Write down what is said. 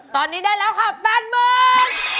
ตอนนี้ได้แล้วค่ะแปดหมื่น